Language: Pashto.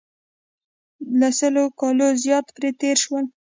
له سلو کالو زیات پرې تېر شول.